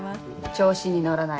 調子に乗らない。